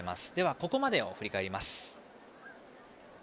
ここまでを振り返ります。